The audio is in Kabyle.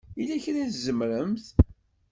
Yella kra i teẓṛamt?